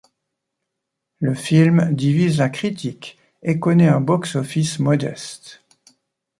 Le film divise la critique et connait un box-office modeste.